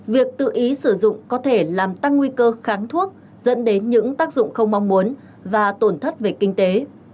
việc tự ý sử dụng có thể làm tăng nguy cơ kháng thuốc dẫn đến những tác dụng không mong muốn và tổn thất về kinh tế